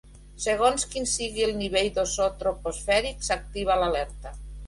Segons quin sigui el nivell d'ozó troposfèric, s'activa l'alerta.